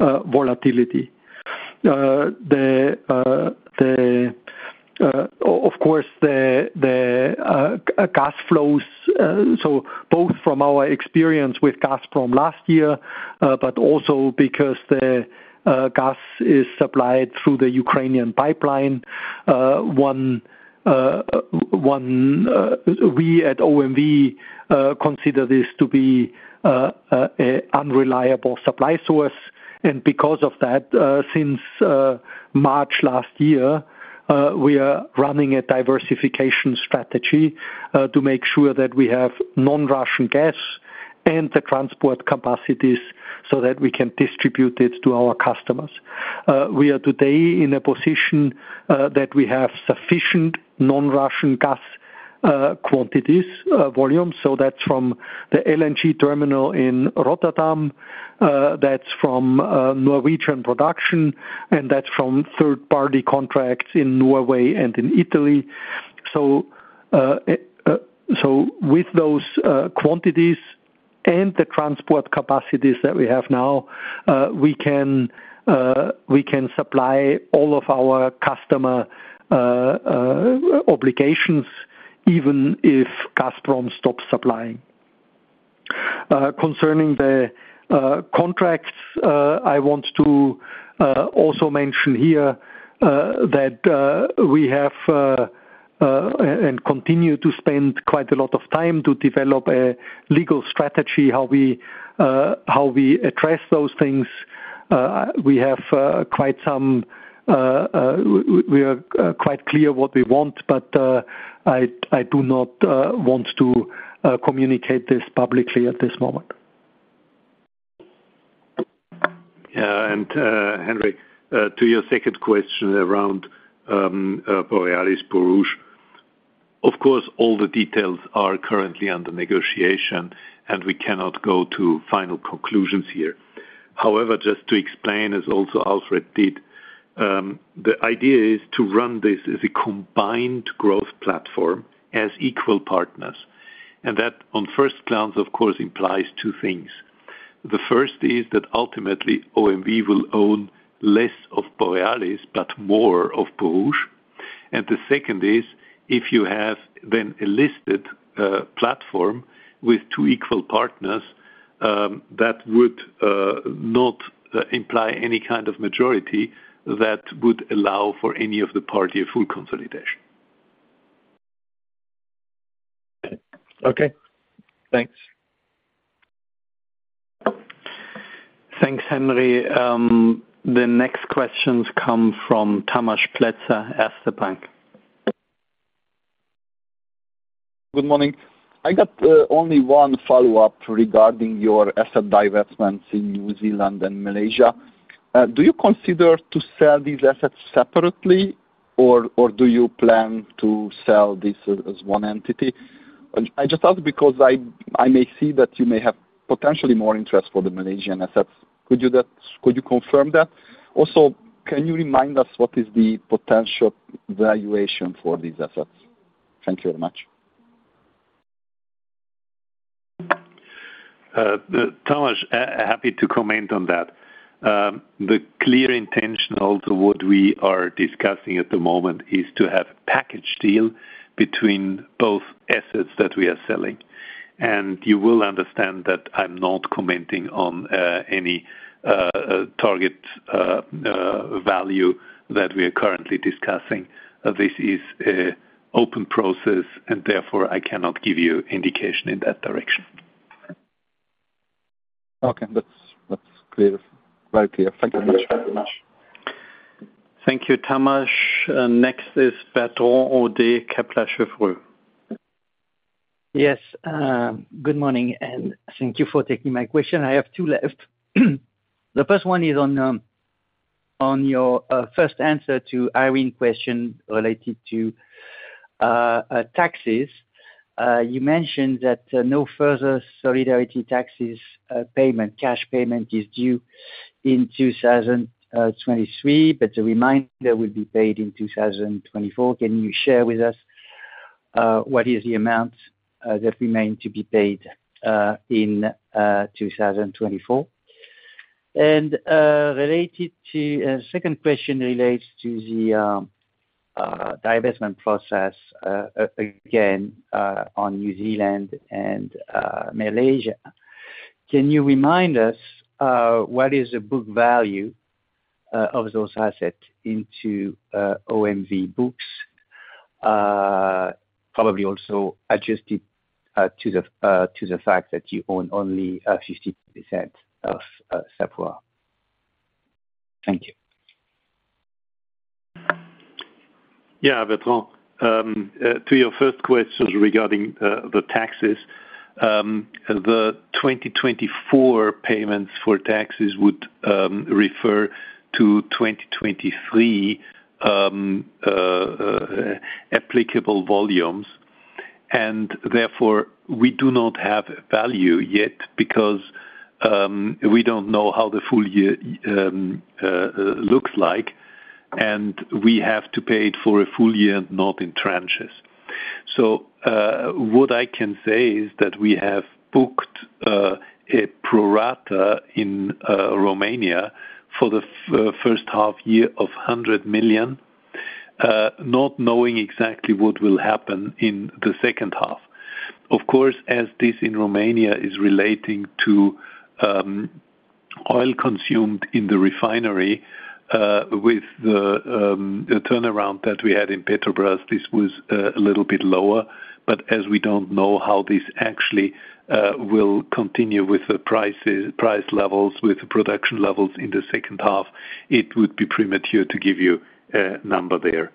volatility. The the of course, the the gas flows, so both from our experience with Gazprom last year, but also because the gas is supplied through the Ukrainian pipeline, one one we at OMV consider this to be a unreliable supply source. Because of that, since March last year, we are running a diversification strategy to make sure that we have non-Russian gas and the transport capacities so that we can distribute it to our customers. We are today in a position that we have sufficient non-Russian gas quantities volume. That's from the LNG terminal in Rotterdam, that's from Norwegian production, and that's from third-party contracts in Norway and in Italy. With those quantities and the transport capacities that we have now, we can we can supply all of our customer obligations, even if Gazprom stops supplying. Concerning the contracts, I want to also mention here that we have and continue to spend quite a lot of time to develop a legal strategy, how we how we address those things. We have quite some w-we are quite clear what we want, but I I do not want to communicate this publicly at this moment.... Yeah, and Henry, to your second question around Borealis Borouge, of course, all the details are currently under negotiation, and we cannot go to final conclusions here. However, just to explain, as also Alfred did, the idea is to run this as a combined growth platform as equal partners, and that, on first glance, of course, implies two things. The first is that ultimately OMV will own less of Borealis, but more of Borouge. The second is, if you have then a listed platform with two equal partners, that would not imply any kind of majority that would allow for any of the party a full consolidation. Okay. Thanks. Thanks, Henry Tarr. The next questions come from Tamas Pletser, Erste Group Bank. Good morning. I got only one follow-up regarding your asset divestments in New Zealand and Malaysia. Do you consider to sell these assets separately, or do you plan to sell this as one entity? I just ask because I may see that you may have potentially more interest for the Malaysian assets. Could you confirm that? Also, can you remind us what is the potential valuation for these assets? Thank you very much. Tamas, happy to comment on that. The clear intention of what we are discussing at the moment is to have package deal between both assets that we are selling. You will understand that I'm not commenting on any target value that we are currently discussing. This is a open process. Therefore, I cannot give you indication in that direction. Okay. That's, that's clear. Very clear. Thank you very much. Thank you, Tamas. Next is Bertrand Hodee, Kepler Cheuvreux. Yes. Good morning, and thank you for taking my question. I have two left. The first one is on your first answer to Irene question related to taxes. You mentioned that no further solidarity taxes payment, cash payment is due in 2023, but the remainder will be paid in 2024. Can you share with us what is the amount that remain to be paid in 2024? Second question relates to the divestment process again on New Zealand and Malaysia. Can you remind us what is the book value of those assets into OMV books? Probably also adjusted to the fact that you own only 50% of SapuraOMV. Thank you. Yeah, Bertrand, to your first question regarding the taxes, the 2024 payments for taxes would refer to 2023 applicable volumes, and therefore, we do not have value yet because we don't know how the full year looks like, and we have to pay it for a full year, not in tranches. What I can say is that we have booked a pro rata in Romania for the H1 year of 100 million, not knowing exactly what will happen in the H2. Of course, as this in Romania is relating to oil consumed in the refinery, with the turnaround that we had in Petrobrazi, this was a little bit lower. As we don't know how this actually will continue with the prices, price levels, with the production levels in the H2, it would be premature to give you a number there.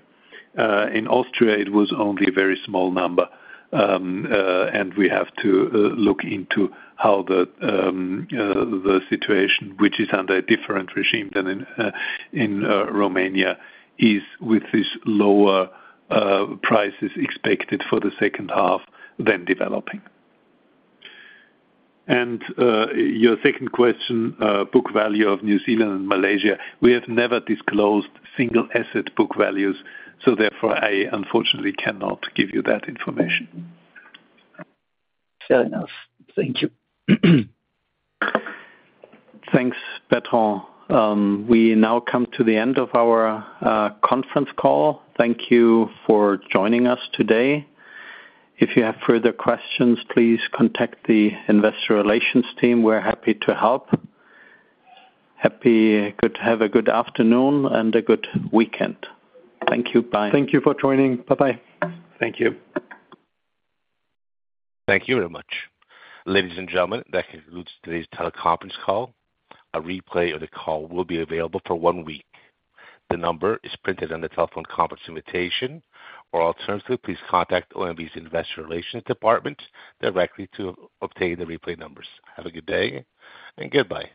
In Austria, it was only a very small number, and we have to look into how the situation, which is under a different regime than in Romania, is with this lower prices expected for the H2 than developing. Your second question, book value of New Zealand and Malaysia. We have never disclosed single asset book values, so therefore I unfortunately cannot give you that information. Fair enough. Thank you. Thanks, Bertrand. We now come to the end of our conference call. Thank you for joining us today. If you have further questions, please contact the investor relations team. We're happy to help. Have a good afternoon and a good weekend. Thank you. Bye. Thank you for joining. Bye-bye. Thank you. Thank you very much. Ladies and gentlemen, that concludes today's teleconference call. A replay of the call will be available for one week. The number is printed on the telephone conference invitation, or alternatively, please contact OMV's Investor Relations Department directly to obtain the replay numbers. Have a good day and goodbye.